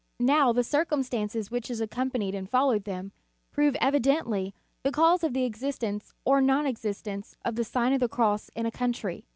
Now, the circumstances which have accompanied and followed them, prove evi dently, the cause of the existence or non existence of the Sign of the Cross in a coun try.